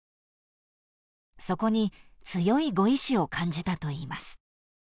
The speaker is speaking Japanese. ［そこに強いご意思を感じたといいます］